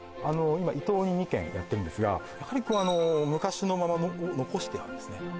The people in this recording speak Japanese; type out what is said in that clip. あの今伊東に２軒やってるんですがやはりこうあの昔のまま残してあるんですね